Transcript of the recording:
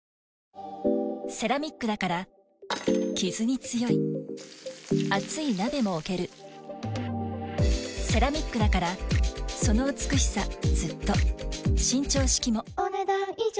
セラミックだからキズに強い熱い鍋も置けるセラミックだからその美しさずっと伸長式もお、ねだん以上。